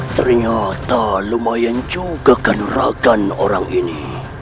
ternyata lumayan juga kan rakan orang ini